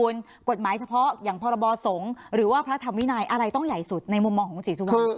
อย่างภรรบสงศ์หรือว่าพระธรรมวินัยอะไรต้องใหญ่สุดในมุมมองของศรีสุวรรณ